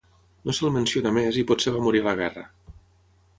No se'l menciona més i potser va morir a la guerra.